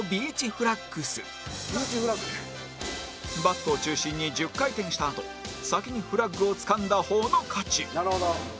バットを中心に１０回転したあと先にフラッグをつかんだ方の勝ち